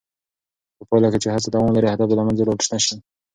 په پایله کې چې هڅه دوام ولري، هدف به له منځه ولاړ نه شي.